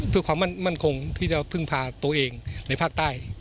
เพื่อความมั่นคงที่จะพึ่งพาตัวเองในภาคใต้